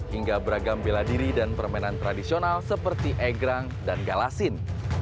hingga beragam bela diri dan permainan tradisional seperti egrang dan galasin